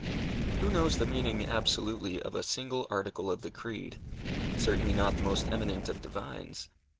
Who knows the meaning, absolutely, of a single article of the Creed? Certainly not the most eminent of divines.